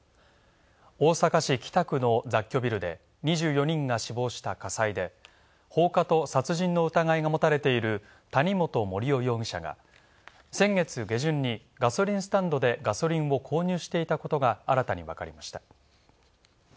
大阪市北区の雑居ビルで２４人が死亡した火災で放火と殺人の疑いが持たれている谷本盛雄容疑者が先月下旬に、ガソリンスタンドでガソリンを購入していたことが新たにわかりました。